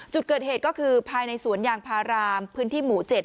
จุดเกิดเหตุก็คือภายในสวนยางพารามพื้นที่หมู่๗